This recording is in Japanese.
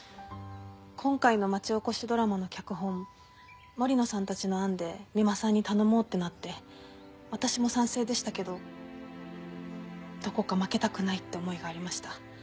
今回の町おこしドラマの脚本森野さんたちの案で三馬さんに頼もうってなって私も賛成でしたけどどこか負けたくないって思いがありました。